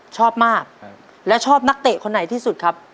ชอบมากแล้วชอบนักเตะคนไหนที่สุดครับ